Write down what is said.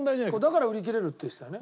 だから売り切れるって言ってたよね。